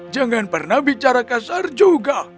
jangan pernah bicara kasar juga